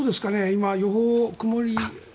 今、予報、曇り。